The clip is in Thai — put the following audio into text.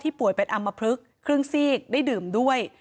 ป่วยเป็นอำมพลึกครึ่งซีกได้ดื่มด้วย